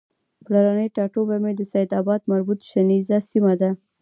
پلرنی ټاټوبی مې د سیدآباد مربوط شنیز سیمه ده